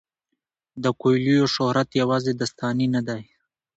د کویلیو شهرت یوازې داستاني نه دی.